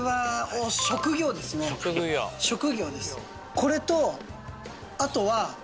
これとあとは。